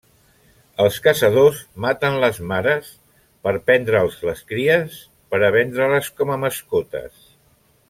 Els caçadors maten les mares per prendre'ls les cries per a vendre-les com a mascotes.